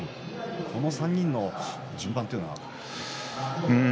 この３人の順番というのは？